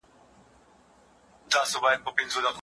ملتونه کله د ډیپلوماسۍ اصول کاروي؟